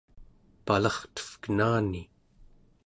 palartevkenani